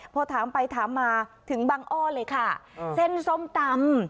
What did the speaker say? พอถามไปถามมาถึงบังอ้อเลยค่ะเส้นส้มตำ